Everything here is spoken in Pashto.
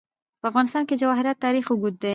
په افغانستان کې د جواهرات تاریخ اوږد دی.